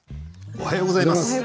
おはようございます。